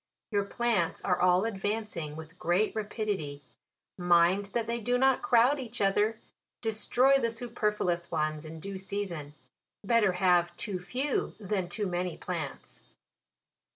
Your plants are all advancing with g;reat rapidity ; mind that they do not crowd each other ; destroy the superfluous ones in due season. Better have too few than too many plants.